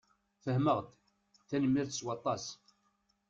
Fehmeɣ-d. Tanemmirt s waṭas.